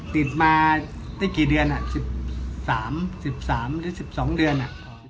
ติดมาได้กี่เดือนน่ะ๑๓๑๓๑๒เดือน